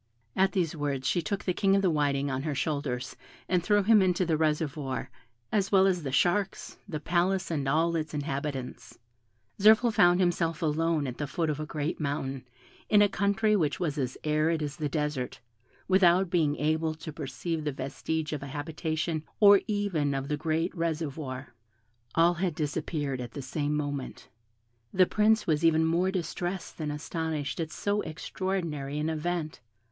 At these words she took the King of the Whiting on her shoulders, and threw him into the reservoir, as well as the sharks, the palace, and all its inhabitants. Zirphil found himself alone at the foot of a great mountain, in a country which was as arid as a desert, without being able to perceive the vestige of a habitation, or even of the great reservoir. All had disappeared at the same moment. The Prince was even more distressed than astonished at so extraordinary an event.